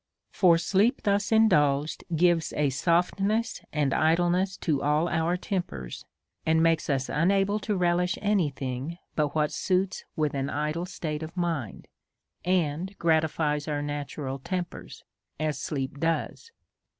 For sleep, thus indulged, gives a softness and idleness to all our tempers, and makes us unable to relish any thing but what suits with an idle state of mind, and gratihes our natural tempers as sleep does.